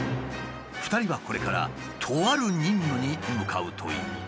２人はこれからとある任務に向かうという。